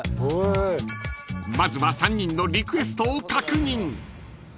［まずは３人のリクエストを確認］